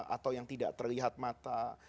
atau yang tidak terlihat mata